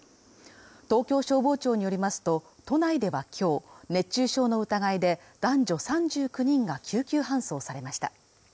東京消防庁によりますと、都内では今日、熱中症の疑いで男女３９人が救急搬送されました。